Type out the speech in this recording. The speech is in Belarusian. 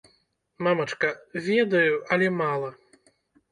Мамачка, ведаю, але мала.